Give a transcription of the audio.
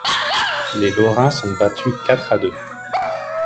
Les Lorrains sont battus quatre à deux.